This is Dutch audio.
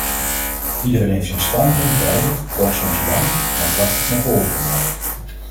Ieder heeft zijn standpunt duidelijk, kort, soms lang, maar krachtig naar voren gebracht.